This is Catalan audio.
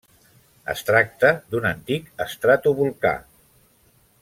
Es tracta d'un antic estratovolcà.